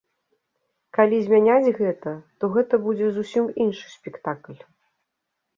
Калі змяняць гэта, то гэта будзе зусім іншы спектакль.